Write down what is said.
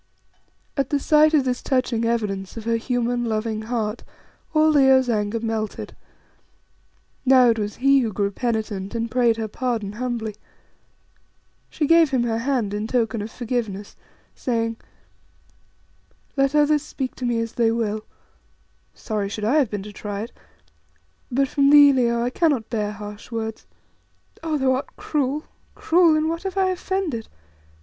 At the sight of this touching evidence of her human, loving heart all Leo's anger melted. Now it was he who grew penitent and prayed her pardon humbly. She gave him her hand in token of forgiveness, saying "Let others speak to me as they will" (sorry should I have been to try it!) "but from thee, Leo, I cannot bear harsh words. Oh, thou art cruel, cruel. In what have I offended?